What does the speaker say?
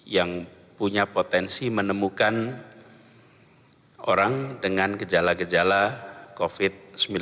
yang punya potensi menemukan orang dengan gejala gejala covid sembilan belas